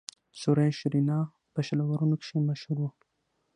سریش رینا په شل آورونو کښي مشهور وو.